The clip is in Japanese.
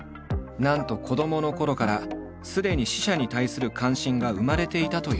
なんと子どものころからすでに死者に対する関心が生まれていたという。